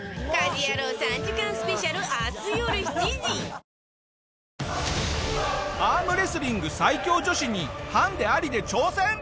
本麒麟アームレスリング最強女子にハンデありで挑戦！